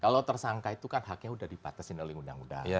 kalau tersangka itu kan haknya sudah dibatasin oleh undang undang